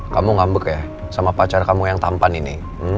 kamu ngambek ya sama pacar kamu yang tampan ini